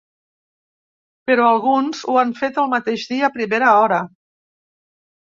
Però alguns ho fan el mateix dia a primera hora.